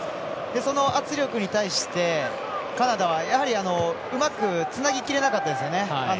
その圧力に対してカナダはやはり、うまくつなぎきれなかったですよね。